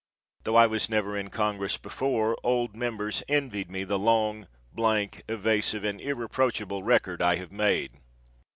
Though I was never in congress before, old members envied me the long, blank, evasive, and irreproachable record I have made.